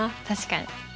確かに。